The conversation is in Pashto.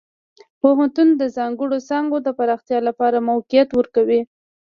پوهنتون د ځانګړو څانګو د پراختیا لپاره موقعیت ورکوي.